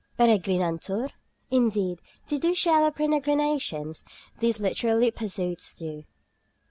"Peregrinantur?" Indeed, they do share our peregrinations, these literary pursuits do.